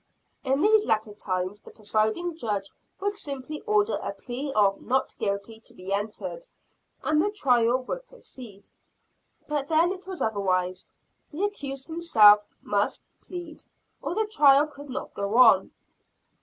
In these later times the presiding Judge would simply order a plea of "not guilty" to be entered, and the trial would proceed. But then it was otherwise the accused himself must plead, or the trial could not go on.